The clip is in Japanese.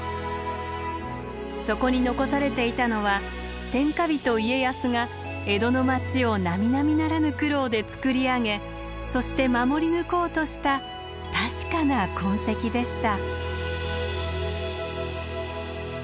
そこに残されていたのは天下人家康が江戸の町をなみなみならぬ苦労でつくり上げそして守り抜こうとした確かな痕跡でした。